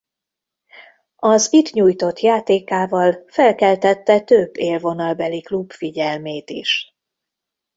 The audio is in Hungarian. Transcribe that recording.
Az itt nyújtott játékával felkeltette több élvonalbeli klub figyelmét is.